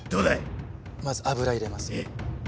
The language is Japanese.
まず油入れます。